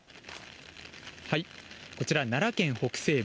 こちら、奈良県北西部